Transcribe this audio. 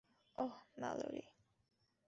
ওহ, melody.